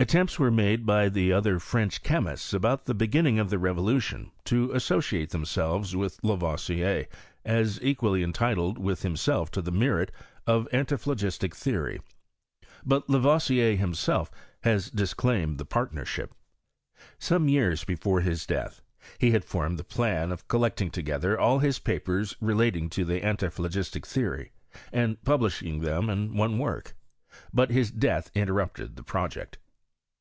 Attempts were made by the other French che mists, about the beginning of the revolution, to associate themselves with Laivoisier, as equally en titled with himself to the merit of the antiphlogistic theory; but Lavoisier himself has disclaimed the partnership^ Some years before his death, he had formed the plan of collecting together all his papers relating to the antiphlogistic theory and publishing tbem in one work; but his death interrupted the {ttoject.